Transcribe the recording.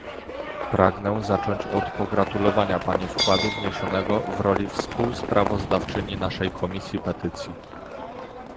Pragnę zacząć od pogratulowania Pani wkładu wniesionego w roli współsprawozdawczyni naszej Komisji Petycji